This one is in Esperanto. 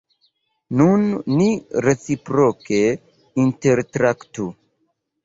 Nun ni reciproke intertraktu!